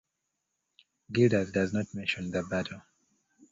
Gildas does not mention the battle.